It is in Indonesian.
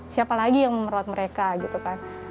siapa lagi yang merawat mereka gitu kan